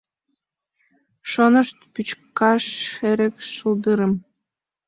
Шонышт пӱчкаш эрык шулдырым